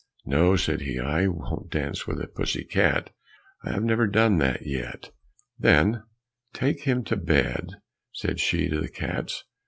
"No," said he, "I won't dance with a pussy cat. I have never done that yet." "Then take him to bed," said she to the cats.